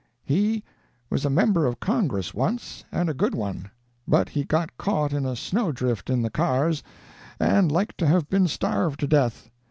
"He was a member of Congress once, and a good one. But he got caught in a snow drift in the cars, and like to have been starved to death.